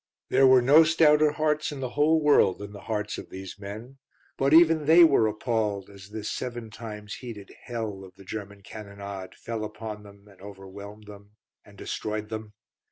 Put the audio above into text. There were no stouter hearts in the whole world than the hearts of these men; but even they were appalled as this seven times heated hell of the German cannonade fell upon them and overwhelmed them and destroyed them.